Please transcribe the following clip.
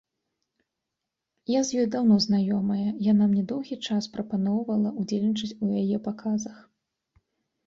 Я з ёй даўно знаёмая, яна мне доўгі час прапаноўвала ўдзельнічаць у яе паказах.